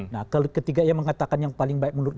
nah ketika dia mengatakan yang paling baik menurut